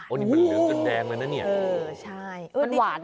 โอ้นี่มันเหลืองกันแดงเลยนะเนี่ยโอ้โหมันหวานนะ